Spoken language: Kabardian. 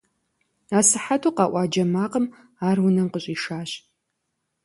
Асыхьэту къэӀуа джэ макъым ар унэм къыщӀишащ.